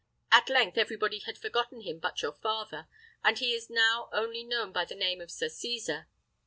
At length everybody had forgotten him but your father, and he is now only known by the name of Sir Cesar.